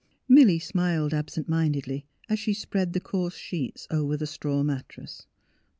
Milly smiled absent mindedly, as she spread the coarse sheets over the straw mattress.